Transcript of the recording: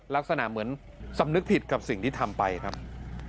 ลักษณะเหมือนสำนึกผิดกับสิ่งที่ทำไปครับ